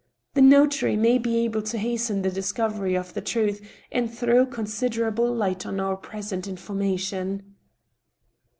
The notary may be able to hasten the discovery of the truth and throw considerable light on our present information."